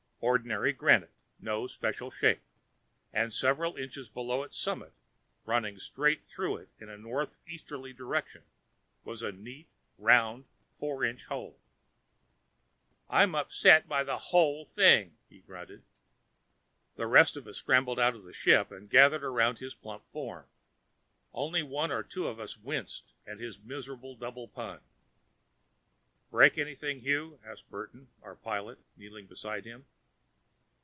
Ordinary granite no special shape and several inches below its summit, running straight through it in a northeasterly direction, was a neat round four inch hole. "I'm upset by the hole thing," he grunted. The rest of us scrambled out of the ship and gathered around his plump form. Only one or two of us winced at his miserable double pun. "Break anything, Hugh?" asked Burton, our pilot, kneeling beside him.